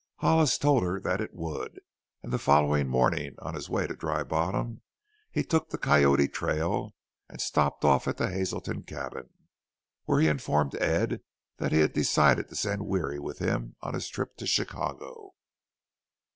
Hollis told her that it would, and the following morning on his way to Dry Bottom, he took the Coyote trail and stopped off at the Hazelton cabin, where he informed Ed that he had decided to send Weary with him on his trip to Chicago.